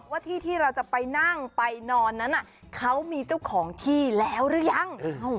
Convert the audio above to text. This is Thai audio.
ว่าที่ที่เราจะไปนั่งไปนอนนั้นเขามีเจ้าของที่แล้วหรือยัง